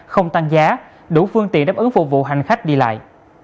không tăng giá đủ phương tiện đáp ứng phục vụ hành khách đi lại